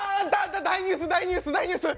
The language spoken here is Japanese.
大ニュース大ニュース大ニュース！